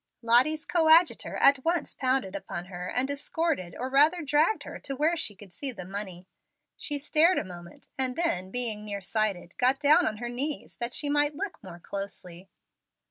Lottie's coadjutor at once pounced upon her, and escorted, or rather dragged her to where she could see the money. She stared a moment, and then, being near sighted, got down on her knees, that she might look more closely.